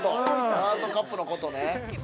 ◆ワールドカップのこと！